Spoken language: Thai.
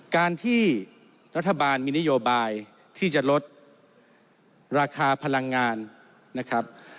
การที่รัฐบาลมีนโยบายที่จะลดราคาพลังงานนะครับ